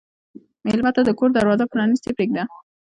مېلمه ته د کور دروازه پرانستې پرېږده.